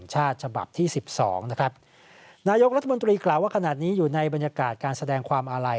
นายกรัฐมนตรีข่าวว่าขนาดนี้อยู่ในบรรยากาศการแสดงความอาลัย